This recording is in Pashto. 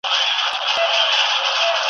چي ناکس ته یې سپارلې سرداري وي .